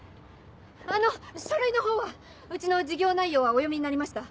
あの書類のほうはうちの事業内容はお読みになりました？